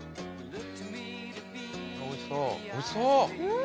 おいしそう！